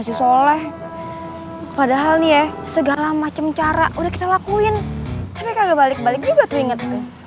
masih soleh padahal nih ya segala macam cara udah kita lakuin tapi kagak balik balik juga tuh inget